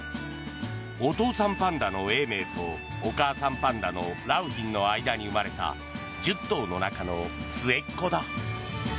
お父さんパンダの永明とお母さんパンダの良浜の間に生まれた１０頭の中の末っ子だ。